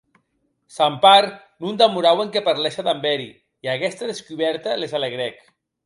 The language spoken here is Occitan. Çampar, non demorauen que parlèsse damb eri, e aguesta descubèrta les alegrèc.